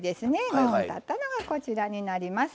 ５分たったのがこちらになります。